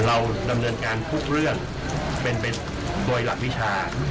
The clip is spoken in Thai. เราดำเนินการทุกเรื่องเป็นไปโดยหลักวิชา